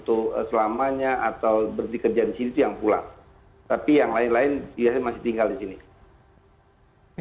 tapi yang lain lain biasanya masih tinggal di sini